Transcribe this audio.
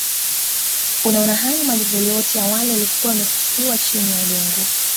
Unaona hayo majengo yote awali yalikuwa yamefukiwa chini na udongo